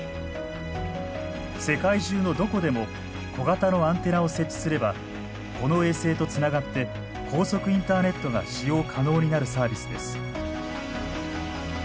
世界中のどこでも小型のアンテナを設置すればこの衛星とつながって高速インターネットが使用可能になるサービスです。